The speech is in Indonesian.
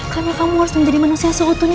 karena kamu harus menjadi manusia seutuhnya